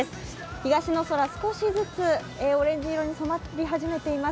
東の空、少しずつオレンジ色に染まり始めています。